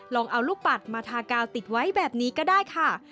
ลองเอาลูกปัดมาทากาวติดไว้แบบนี้ก็ได้ค่ะ